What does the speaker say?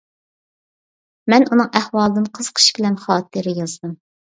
مەن ئۇنىڭ ئەھۋالىدىن قىزىقىش بىلەن خاتىرە يازدىم.